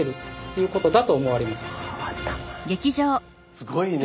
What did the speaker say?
すごいね。